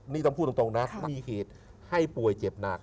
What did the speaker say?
นี่ต้องพูดตรงนะมีเหตุให้ป่วยเจ็บหนัก